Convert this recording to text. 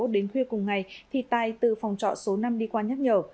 đến khuya cùng ngày thì tài từ phòng trọ số năm đi qua nhắc nhở